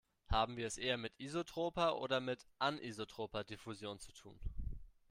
Haben wir es eher mit isotroper oder mit anisotroper Diffusion zu tun?